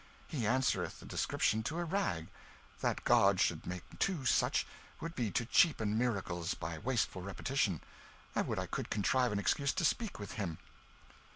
He answereth the description to a rag that God should make two such would be to cheapen miracles by wasteful repetition. I would I could contrive an excuse to speak with him."